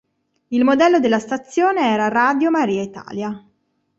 Il modello della stazione era Radio Maria Italia.